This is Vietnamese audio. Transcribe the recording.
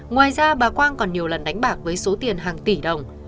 ngoài ra bà quang còn nhiều lần đánh bạc với số tiền hàng tỷ đồng